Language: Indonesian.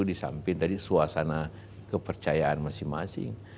disamping dari suasana kepercayaan masing masing